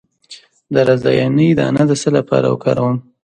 د رازیانې دانه د څه لپاره وکاروم؟